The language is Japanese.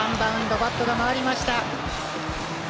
バットが回りました。